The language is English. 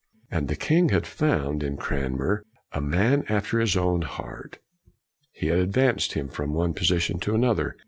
For the king had found, in Cranmer, a man after his own heart. He had ad vanced him from one position to another.